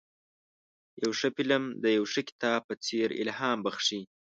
یو ښه فلم د یو ښه کتاب په څېر الهام بخښي.